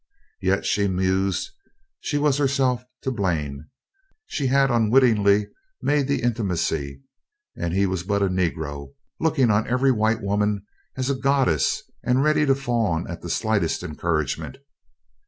Yet, she mused, she was herself to blame. She had unwittingly made the intimacy and he was but a Negro, looking on every white woman as a goddess and ready to fawn at the slightest encouragement.